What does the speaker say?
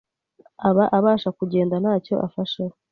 aba abasha kugenda nta cyo afasheho.